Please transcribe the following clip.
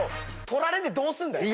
取られてどうすんだよ！